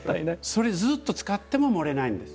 それずっと使っても漏れないんです。